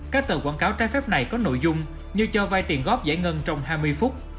các tờ quảng cáo trái phép này có nội dung như cho vai tiền góp giải ngân trong hai mươi phút